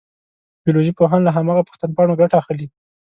بیولوژي پوهان له هماغه پوښتنپاڼو ګټه اخلي.